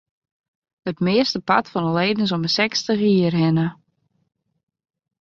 It meastepart fan de leden is om de sechstich jier hinne.